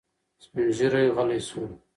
سپین ږیری غلی شو.